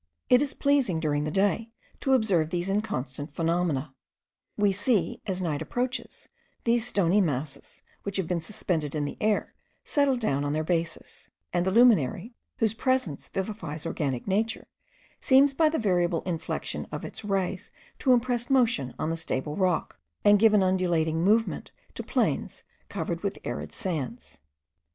It is pleasing, during the day, to observe these inconstant phenomena; we see, as night approaches, these stony masses which had been suspended in the air, settle down on their bases; and the luminary, whose presence vivifies organic nature, seems by the variable inflection of its rays to impress motion on the stable rock, and give an undulating movement to plains covered with arid sands.